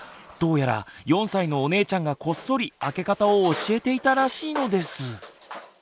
どうやら４歳のお姉ちゃんがこっそり開け方を教えていたらしいのです。